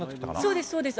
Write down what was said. そうです、そうです。